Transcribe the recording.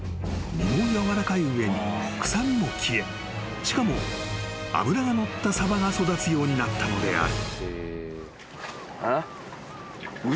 身もやわらかい上に臭みも消えしかも脂が乗ったサバが育つようになったのである］